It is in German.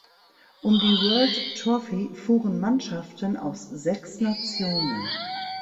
Um die World Trophy fuhren Mannschaften aus sechs Nationen.